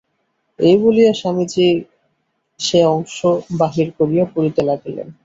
এই বলিয়া স্বামীজী সে অংশ বাহির করিয়া পড়িতে লাগিলেন।